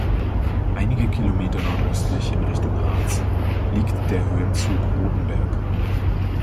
Einige Kilometer nordöstlich in Richtung Harz liegt der Höhenzug Rotenberg.